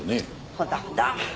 ほんだほんだ。